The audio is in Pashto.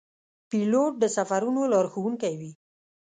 پیلوټ د سفرونو لارښوونکی وي.